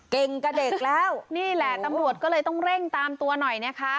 กับเด็กแล้วนี่แหละตำรวจก็เลยต้องเร่งตามตัวหน่อยนะคะ